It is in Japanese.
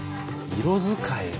色使いが。